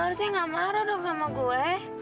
harusnya gak marah dong sama gue